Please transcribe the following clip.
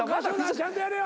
ちゃんとやれよ。